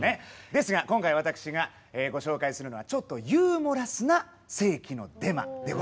ですが今回私がご紹介するのはちょっとユーモラスな世紀のデマでございます。